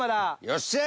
よっしゃ！